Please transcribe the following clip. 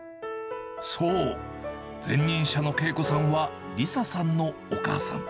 そう、前任者の恵子さんはリサさんのお母さん。